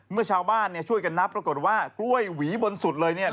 เมื่อชาวบ้านช่วยกันนับรวมกันว่ากล้วยหวีบนสุดเลย